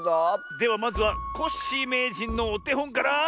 ではまずはコッシーめいじんのおてほんから。